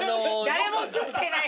誰も写ってない。